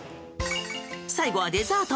最後はデザート。